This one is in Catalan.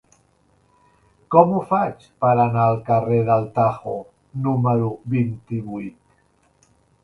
Com ho faig per anar al carrer del Tajo número vint-i-vuit?